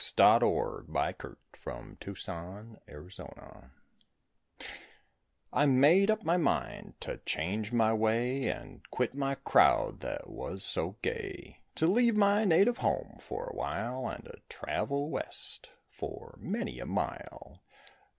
THE TRAIL TO MEXICO I made up my mind to change my way And quit my crowd that was so gay, To leave my native home for a while And to travel west for many a mile.